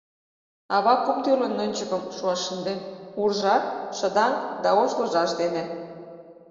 Ава кум тӱрлӧ нӧнчыкым шуаш шынден: уржа, шыдаҥ да ош ложаш дене.